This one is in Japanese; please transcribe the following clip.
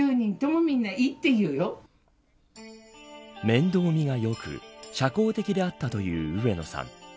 面倒見が良く社交的であったという上野さん。